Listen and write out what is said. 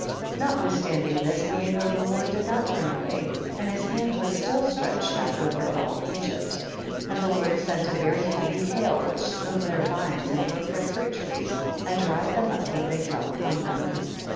29. Notwithstanding this tiie an ger of the Lord did not turn away, and his hand was still stretched out over all Egypt. 30. And the Lord sent a very heavy hail, which smote their vines and broke their fruit trees and dried them up that they* fell upon them.